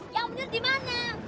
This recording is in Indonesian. yang bener dimana